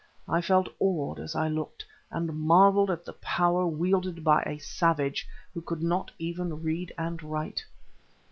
I felt awed as I looked, and marvelled at the power wielded by a savage who could not even read and write.